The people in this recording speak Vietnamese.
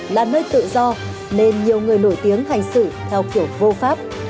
là nơi tự do nên nhiều người nổi tiếng hành xử theo kiểu vô pháp